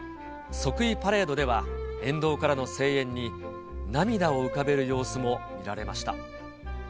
即位パレードでは、沿道からの声援に涙を浮かべる様子も見られました。